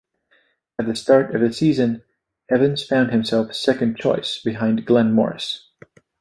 At the start of the season, Evans found himself second choice behind Glenn Morris.